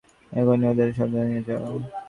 এক্ষুনি ওদের হাসপাতালে নিয়ে যাও।